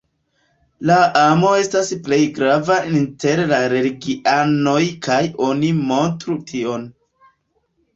La amo estas plej grava inter la religianoj kaj oni montru tion.